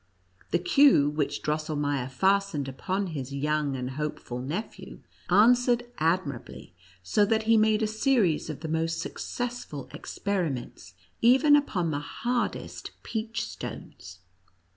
The queue which Drossel meier fastened upon his young and hopeful ne phew, answered admirably, so that he made a series of the most successful experiments, even upon the hardest peach stones.